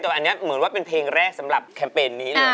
แต่อันนี้เหมือนว่าเป็นเพลงแรกสำหรับแคมเปญนี้เลย